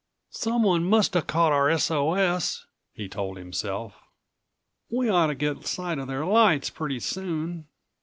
"Someone must have caught our S. O. S."178 he told himself. "We ought to get sight of their lights pretty soon.